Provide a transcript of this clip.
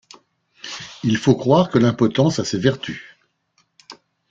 Il faut croire que l’impotence a ses vertus.